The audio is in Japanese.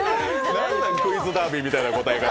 何なん「クイズダービー」みたいな答え方。